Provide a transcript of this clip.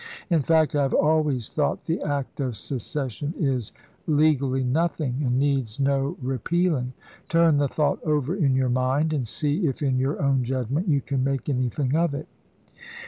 In fact, I have always thought the act of secession is legally nothing, and needs no repealing. Turn the thought over in your mind, rfami^rs? and see if in your own judgment you can make Nov. 9. 1863. ,,.„.,,,''^ MS. anything oi it."